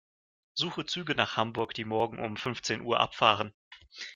Suche Züge nach Hamburg, die morgen um fünfzehn Uhr abfahren.